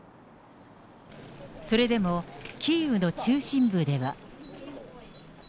それでも、キーウの中心部では。